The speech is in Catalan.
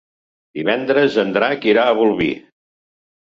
Divendres en Drac irà a Bolvir.